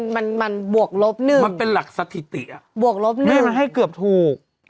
มันมันบวกลบ๑เป็นหลักสถิติมันให้เกือบถูก